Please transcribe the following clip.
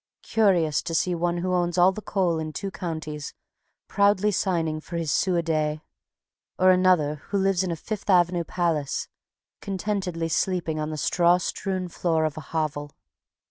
Curious to see one who owns all the coal in two counties proudly signing for his sou a day; or another, who lives in a Fifth Avenue palace, contentedly sleeping on the straw strewn floor of a hovel.